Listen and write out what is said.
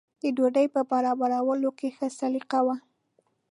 د ډوډۍ په برابرولو کې ښه سلیقه وه.